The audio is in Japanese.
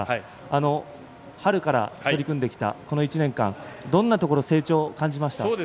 春から取り組んできたこの１年間、どんなところ成長、感じました？